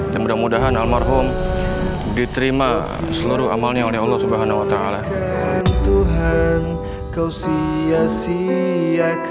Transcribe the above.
dan mudah mudahan almarhum diterima seluruh amalnya oleh allah swt